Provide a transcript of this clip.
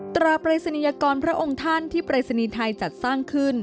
ตราปริศนียกรพระองค์ท่านที่ปรายศนีย์ไทยจัดสร้างขึ้น